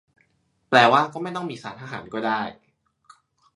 แปลว่าก็ไม่ต้องมีศาลทหารก็ได้ ?